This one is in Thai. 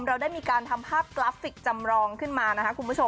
เราได้มีการทำภาพกราฟิกจำลองขึ้นมานะครับคุณผู้ชม